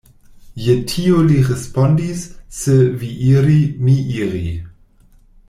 Je tio li respondis, Se vi iri, mi iri.